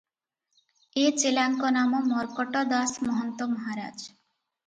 ଏ ଚେଲାଙ୍କ ନାମ ମର୍କଟ ଦାସ ମହନ୍ତ ମହାରାଜ ।